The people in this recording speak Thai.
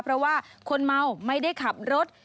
เพราะว่าคนเมาไม่ได้ขับรถ